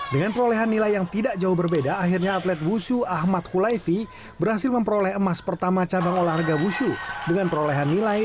dengan perolehan nilai yang tidak jauh berbeda akhirnya atlet wusu ahmad hulaifi berhasil memperoleh emas pertama cabang olahraga wusu dengan perolehan nilai sembilan enam puluh lima